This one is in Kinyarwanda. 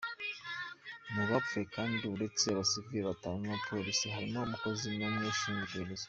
Mu bapfuye kandi uretse abasivili batanu n’umupolisi, harimo umukozi w’urwego rushinzwe iperereza.